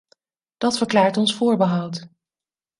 Dat verklaart ons voorbehoud.